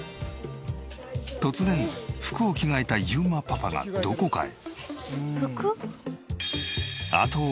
突然服を着替えた裕磨パパがどこかへ。